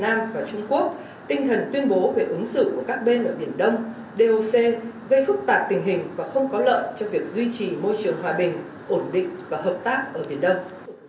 ổn định và hợp tác ở biển đông